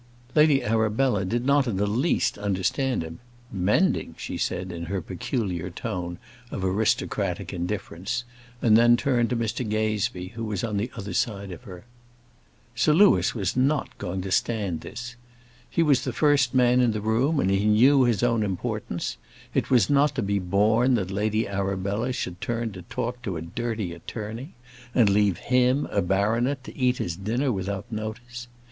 Lady Arabella did not in the least understand him. "Mending!" she said, in her peculiar tone of aristocratic indifference; and then turned to Mr Gazebee, who was on the other side of her. Sir Louis was not going to stand this. He was the first man in the room, and he knew his own importance. It was not to be borne that Lady Arabella should turn to talk to a dirty attorney, and leave him, a baronet, to eat his dinner without notice.